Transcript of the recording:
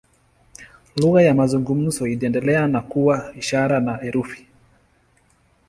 Lugha ya mazungumzo iliendelea na kuwa ishara na herufi.